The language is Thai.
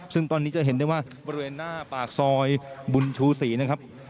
ซึ่งตอนนี้จะเห็นได้ว่าบริเวณหน้าปากซอยบุญชูศรีนะครับ